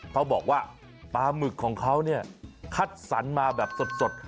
เขาบอกว่าปลาหมึกของเขาเนี่ยคัดสรรมาแบบสด